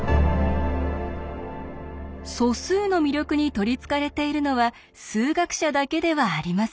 素数の魅力に取りつかれているのは数学者だけではありません。